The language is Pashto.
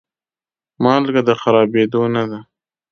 مالګه د خرابېدو نه ده.